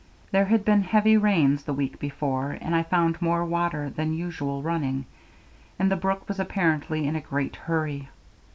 There had been heavy rains the week before, and I found more water than usual running, and the brook was apparently in a great hurry.